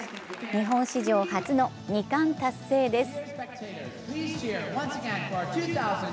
日本史上初の２冠達成です。